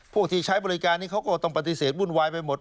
พวกที่ใช้บริการนี้เขาก็ต้องปฏิเสธวุ่นวายไปหมด